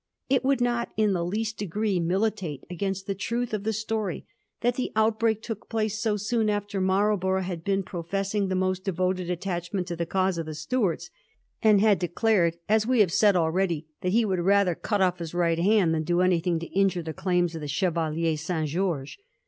It would not in the least degree mili tate against the truth of the story that the outbreak took place so soon after Marlborough had been pro fessing the most devoted attachment to the cause of the Stuarts, and had declared, as we have said already, that he would rather cut off his right hand than do anything to injure the claims of the Chevalier St. George.